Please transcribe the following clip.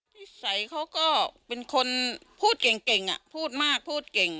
สัยเขาก็เป็นคนพูดเก่งพูดมากพูดเก่ง